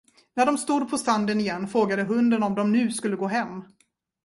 När de stod på stranden igen, frågade hunden om de nu skulle gå hem.